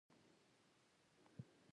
احمد ډېری وختونه واقعیت ته نیږدې هټکل کوي.